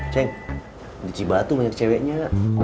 ceng di cibatu banyak ceweknya